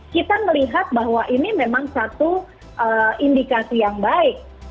kita melihat bahwa ini memang satu indikasi yang baik